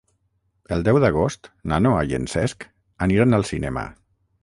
El deu d'agost na Noa i en Cesc aniran al cinema.